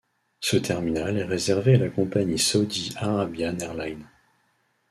Ce terminal est réservé à la compagnie Saudi Arabian Airlines.